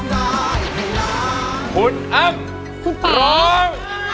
คุณอัมพร้อม